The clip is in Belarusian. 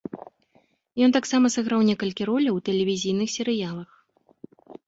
Ён таксама сыграў некалькі роляў у тэлевізійных серыялах.